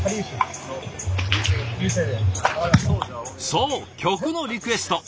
そう曲のリクエスト。